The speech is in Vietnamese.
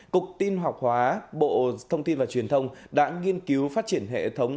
cục tin học hóa bộ thông tin và truyền thông đã nghiên cứu phát triển hệ thống